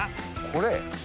これ？